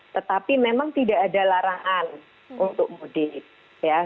tetapi memang tidak ada larangan untuk mudik di menibur idul adha ini